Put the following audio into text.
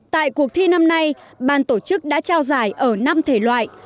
tại cuộc thi năm nay ban tổ chức đã trao giải ở năm thể loại